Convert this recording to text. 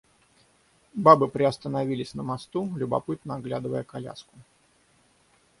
Бабы приостановились на мосту, любопытно оглядывая коляску.